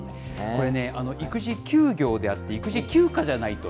これね、育児休業であって、育児休暇じゃないと。